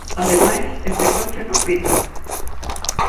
Ademais, este coche non pita.